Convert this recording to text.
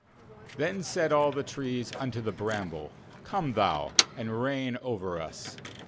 14Then said all the trees unto the bramble. Gome thou, and reign over us.